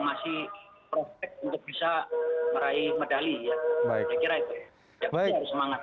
ya harus semangat